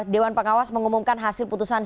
dewan pengawas mengumumkan hasil putusan